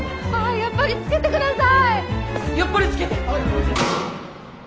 やっぱり消してくてください！